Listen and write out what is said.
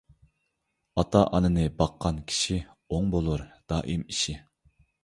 ئاتا - ئانىنى باققان كىشى، ئوڭ بولۇر دائىم ئىشى.